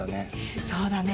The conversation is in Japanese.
そうだね。